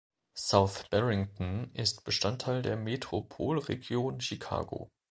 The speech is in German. South Barrington ist Bestandteil der Metropolregion Chicago.